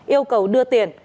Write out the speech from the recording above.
yêu cầu đưa tiền